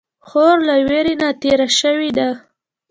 خور له ویرې نه تېره شوې ده.